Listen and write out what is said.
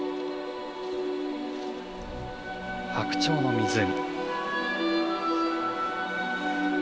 「白鳥の湖」。